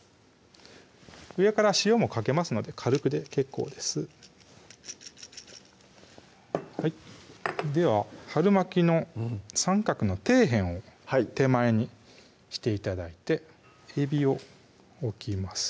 上から塩もかけますので軽くで結構ですはいでは春巻きの三角の底辺を手前にして頂いてえびを置きます